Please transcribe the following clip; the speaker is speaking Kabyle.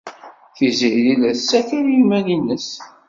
Tiziri la tessakal i yiman-nnes.